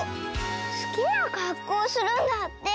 すきなかっこうするんだって。